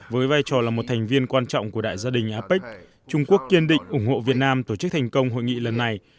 với vai trò là một thành viên quan trọng của đại gia đình apec trung quốc kiên định ủng hộ việt nam tổ chức thành công hội nghị lần này